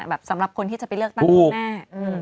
สำหรับคนที่จะไปเลือกตั้งครั้งหน้า